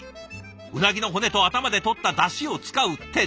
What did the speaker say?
うなぎの骨と頭でとっただしを使う徹底ぶり。